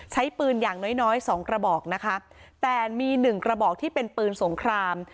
ใช้ปืนอย่างน้อยน้อยสองกระบอกนะคะแต่มีหนึ่งกระบอกที่เป็นปืนสงคราม